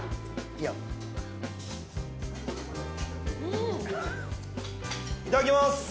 いただきます。